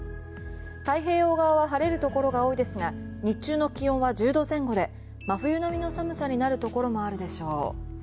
太平洋側は晴れるところが多いですが日中の気温は１０度前後で真冬並みの寒さになるところがあるでしょう。